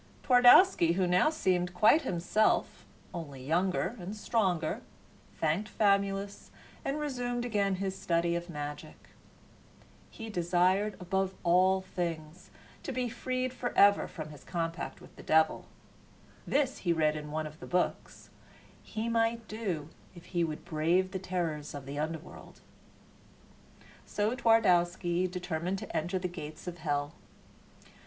Twardowski, who now seemed quite himself, only younger, and stronger, thanked Famulus and resumed again his study of magic. He desired, above all things, to be freed forever from his compact with the devil. This, he read in one of the books, he might do if he would brave the terrors of the underworld. So Twardowski determined to enter the gates of hell.